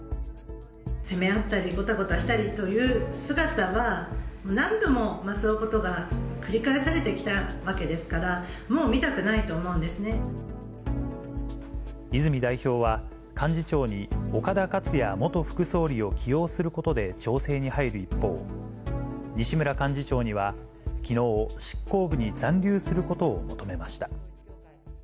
責め合ったり、ごたごたしたりという姿は、何度もそういうことが繰り返されてきたわけですから、もう見たく泉代表は、幹事長に岡田克也元副総理を起用することで調整に入る一方、西村幹事長にはきのう、執行部に残留することを求めました。